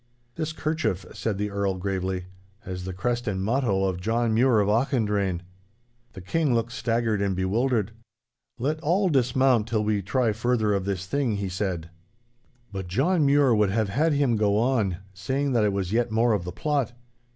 'This kerchief,' said the Earl, gravely, 'has the crest and motto of John Mure of Auchendrayne.' The King looked staggered and bewildered. 'Let all dismount till we try further of this thing,' he said. But John Mure would have had him go on, saying that it was yet more of the plot.